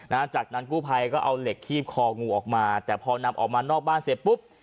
จากนั้นกู้ภัยก็เอาเหล็กคีบคองูออกมาแต่พอนำออกมานอกบ้านเสร็จปุ๊บ